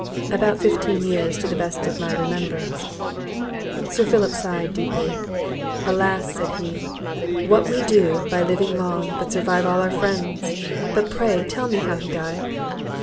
"About fifteen years, to the best of my remembrance." Sir Philip sighed deeply. "Alas!" said he, "what do we, by living long, but survive all our friends! But pray tell me how he died?"